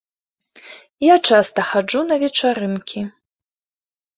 Я часта хаджу на вечарынкі.